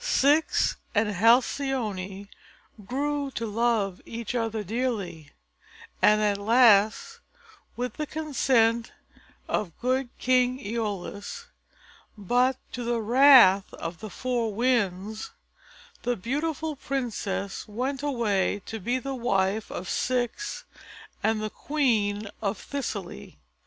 Ceyx and Halcyone grew to love each other dearly, and at last with the consent of good King Æolus, but to the wrath of the four Winds, the beautiful princess went away to be the wife of Ceyx and Queen of Thessaly.